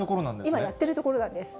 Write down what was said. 今やってるところなんです。